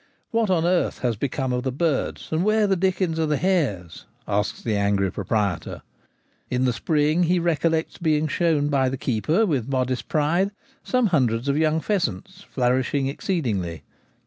What on earth has become of the birds, and where the dickens are the hares ? asks the angry proprietor. In the spring he recollects being shown by the keeper, with modest pride, some hundreds of young pheasants, flourishing exceedingly.